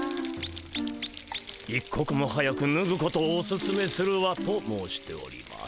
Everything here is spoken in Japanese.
一刻も早くぬぐことをおすすめするわと申しております。